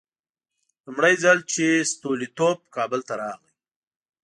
لومړی ځل چې ستولیتوف کابل ته راغی.